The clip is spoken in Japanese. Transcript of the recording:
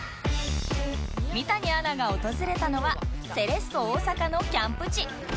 三谷アナが訪れたのはセレッソ大阪のキャンプ地